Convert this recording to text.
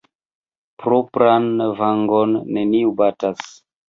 Propran vangon neniu batas.